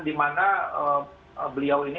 dimana beliau ini